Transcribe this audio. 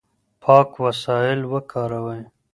پاک وسایل وکاروئ.